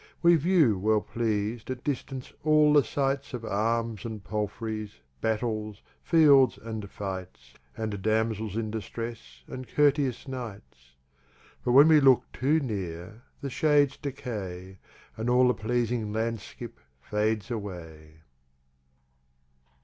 We view well pleas'd at distance all the sights Of Arms and Palfreys, Battle's, Fields, and Fights, And Damsels in Distress, and Courteous Knights. But when we look too near, the Shades decay, And all the pleasing Lan skip fades away.